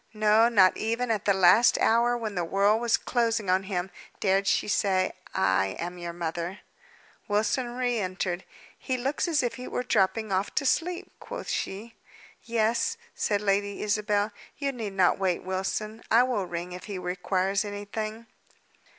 No; not even at the last hour when the world was closing on him, dared she say, I am your mother. Wilson re entered. "He looks as if he were dropping off to sleep," quoth she. "Yes," said Lady Isabel. "You need not wait, Wilson. I will ring if he requires anything."